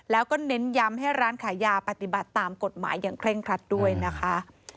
แล้วก็เน้นย้ำให้ร้านขายยาปฏิบัติตามกฎหมายอย่างเคร่งครัดด้วยนะคะ